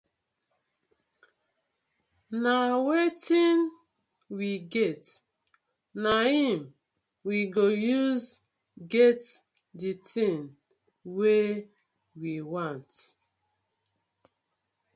Na wetin we get naim we go use get di tin wey we want.